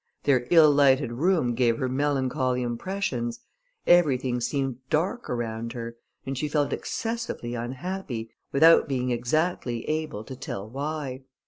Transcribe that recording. Their ill lighted room gave her melancholy impressions, everything seemed dark around her, and she felt excessively unhappy, without being exactly able to tell why.